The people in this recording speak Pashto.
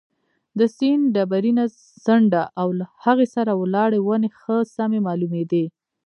د سیند ډبرینه څنډه او له هغې سره ولاړې ونې ښه سمې معلومېدې.